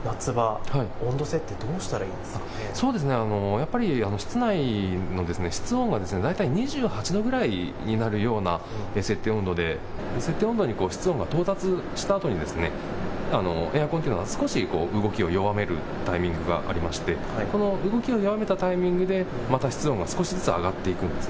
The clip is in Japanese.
やっぱり室内の室温が大体２８度ぐらいになるような設定温度で設定温度に室温が到達したあとにエアコンというのは少し動きを弱めるタイミングがありましてこの動きを弱めたタイミングでまた室温が少しずつ上がっていくんです。